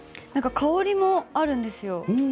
何か香りもあるんですよ。